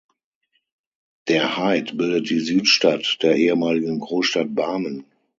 Der Heidt bildet die Südstadt der ehemaligen Großstadt Barmen.